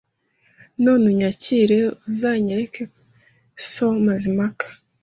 none unyakire uzanyereke so Mazimpaka